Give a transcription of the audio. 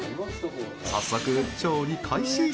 早速、調理開始！